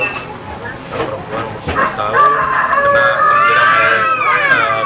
perempuan umur enam tahun